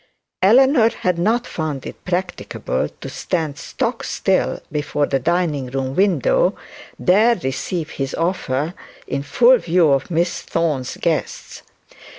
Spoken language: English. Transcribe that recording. Eleanor had not found it practicable to stand stock still before the dining room window, and there receive his offer in full view of Miss Thorne's guests.